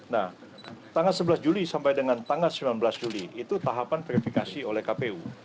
nah tanggal sebelas juli sampai dengan tanggal sembilan belas juli itu tahapan verifikasi oleh kpu